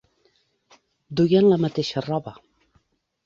Duien la mateixa roba